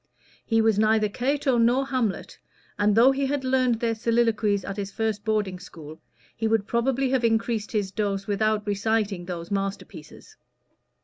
He was neither Cato nor Hamlet, and though he had learned their soliloquies at his first boarding school, he would probably have increased his dose without reciting those master pieces.